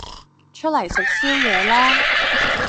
出嚟食宵夜啦